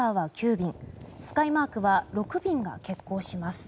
便スカイマークは６便が欠航します。